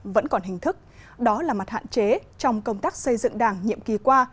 vẫn còn hình thức đó là mặt hạn chế trong công tác xây dựng đảng nhiệm kỳ qua